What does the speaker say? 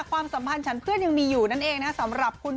ความสัมพันธ์ฉันเพื่อนยังมีอยู่นั่นเองนะ